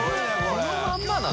このまんまなの？